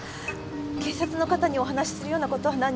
警察の方にお話しするような事はなんにも。